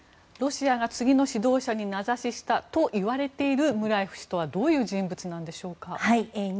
ロシアが次の指導者に名指ししたといわれているムラエフ氏とはどういう人物なんでしょうか。